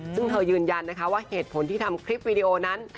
ซึ่งเธอยืนยันนะคะว่าเหตุผลที่ทำคลิปวิดีโอนั้น